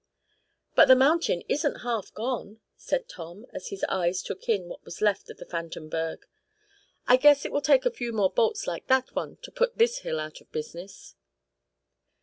"But the mountain isn't half gone," said Tom, as his eyes took in what was left of the phantom berg. "I guess it will take a few more bolts like that one, to put this hill out of business."